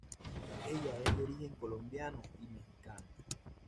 Ella es de origen colombiano y mexicano.